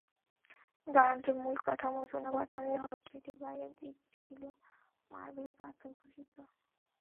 দালানটির মূল কাঠামো চুনাপাথরের হলেও সেটির বাইরের দিকটি ছিল মার্বেল পাথরখচিত।